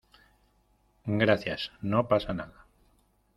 gracias. no pasa nada .